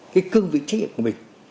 cái cương vị trách nhiệm của mình